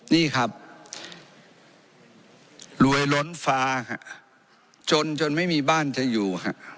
นี่ครับรวยล้นฟ้าจนจนไม่มีบ้านจะอยู่